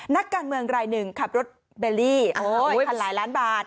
นักการเมืองรายหนึ่งขับรถเบลลี่ยพันหลายล้านบาท